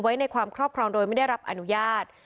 ไว้ในความครอบครองโดยไม่ได้รับอนุญาต